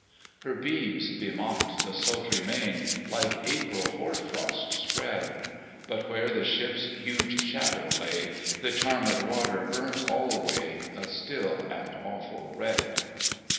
Her beams bemocked the sultry main, Like April hoar frost spread; But where the ship's huge shadow lay, The charmed water burnt alway A still and awful red.